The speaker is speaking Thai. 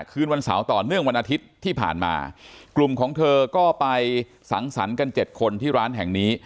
คืนวันเสาร์ต่อเนื่องวันอาทิตย์ที่ผ่านมากลุ่มของเธอก็ไปสังสรรค์กันเจ็ดคนที่ร้านแห่งนี้